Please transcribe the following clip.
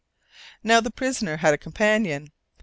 Now the prisoner had a companion.